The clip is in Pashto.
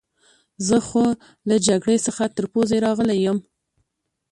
زه خو له جګړې څخه تر پوزې راغلی یم.